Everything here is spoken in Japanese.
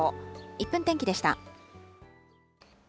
１分天気でした。